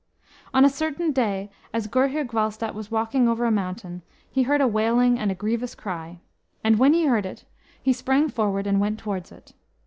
On a certain day as Gurhyr Gwalstat was walking over a mountain, he heard a wailing and a grievous cry. And when he heard it, he sprang forward and went towards it.